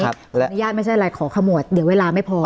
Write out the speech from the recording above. อนุญาตไม่ใช่อะไรขอขมวดเดี๋ยวเวลาไม่พอ